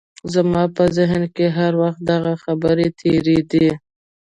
زما په ذهن کې هر وخت دغه خبرې تېرېدې.